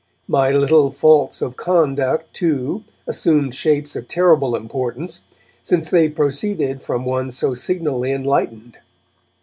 My little faults of conduct, too, assumed shapes of terrible importance, since they proceeded from one so signally enlightened.